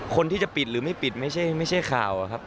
คนที่จะปิดหรือไม่ปิดไม่ใช่ข่าวครับ